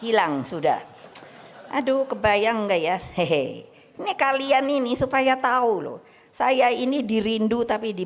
hai hilang sudah aduh kebayang enggak ya hehehe nih kalian ini supaya tahu loh saya ini dirindu tapi